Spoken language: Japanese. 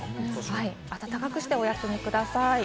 温かくしてお休みください。